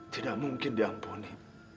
tidak mungkin diampuni